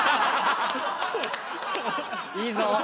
いいぞ！